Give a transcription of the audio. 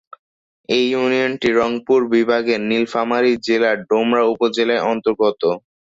এই ইউনিয়নটি রংপুর বিভাগের নীলফামারী জেলার ডোমার উপজেলার অন্তর্গত।